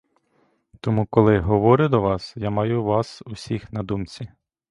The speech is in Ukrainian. Тому, коли говорю до вас, я маю вас усіх на думці.